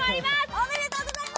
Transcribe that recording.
おめでとうございます！